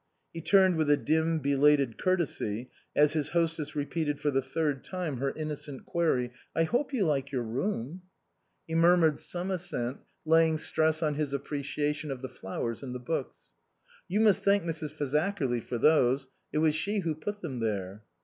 He turned with a dim, belated courtesy as his hostess repeated for the third time her innocent query, " I hope you like your room?" 16 INLAND He murmured some assent, laying stress on his appreciation of the flowers and the books. " You must thank Mrs. Fazakerly for those ; it was she who put them there."